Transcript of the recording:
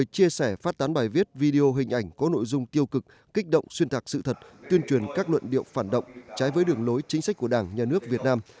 chia sẻ phát tán bài viết video hình ảnh có nội dung tiêu cực kích động xuyên tạc sự thật tuyên truyền các luận điệu phản động trái với đường lối chính sách của đảng nhà nước việt nam